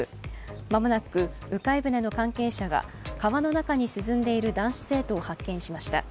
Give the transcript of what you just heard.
間もなく鵜飼い船の関係者が川の中に沈んでいる男子生徒を発見しました。